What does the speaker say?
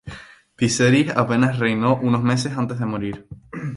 Viserys apenas reinó unos meses antes de morir.